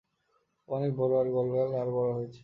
ও অনেক বড় আর গোলগাল আর বড় হয়েছে।